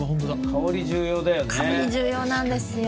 香り重要なんです。